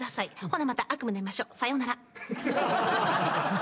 ほなまた悪夢で会いましょう。さようなら。